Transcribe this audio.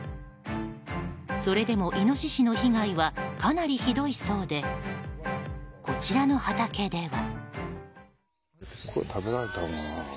それでもイノシシの被害はかなりひどいそうでこちらの畑では。